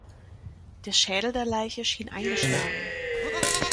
Der Schädel der Leiche schien eingeschlagen.